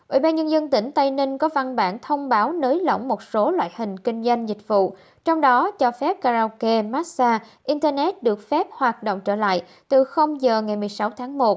ubnd tỉnh tây ninh có văn bản thông báo nới lỏng một số loại hình kinh doanh dịch vụ trong đó cho phép karaoke massage internet được phép hoạt động trở lại từ h ngày một mươi sáu tháng một